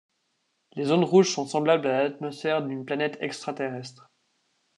Les zones rouges sont semblables à l’atmosphère d’une planète extraterrestre.